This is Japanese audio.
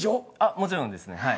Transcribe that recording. もちろんですねはい。